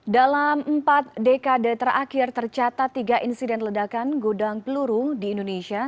dalam empat dekade terakhir tercatat tiga insiden ledakan gudang peluru di indonesia